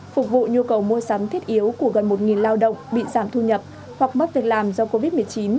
phục vụ nhu cầu mua sắm thiết yếu của gần một lao động bị giảm thu nhập hoặc mất việc làm do covid một mươi chín